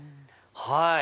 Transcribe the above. はい。